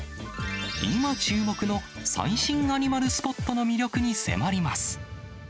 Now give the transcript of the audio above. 今注目の最新アニマルスポットの魅力に迫ります。